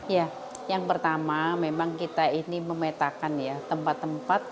ya yang pertama memang kita ini memetakan ya tempat tempat